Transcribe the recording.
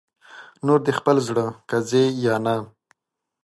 نور دې خپل زړه که ځې یا نه